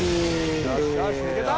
よしよし抜けた！